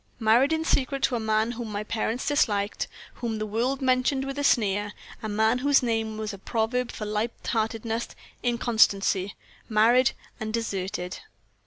Married in secret to a man whom my parents disliked, whom the world mentioned with a sneer a man whose name was a proverb for light heartedness, inconstancy married and deserted!